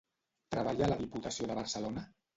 Treballa a la Diputació de Barcelona?